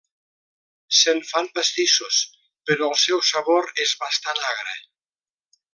Se'n fan pastissos però el seu sabor és bastant agre.